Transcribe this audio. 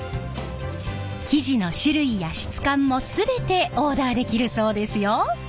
生地の種類や質感も全てオーダーできるそうですよ！